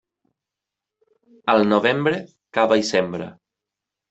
Al novembre, cava i sembra.